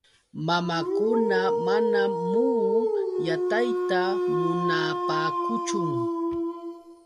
Mamakuna manam muhu yatayta munaapaakuchun.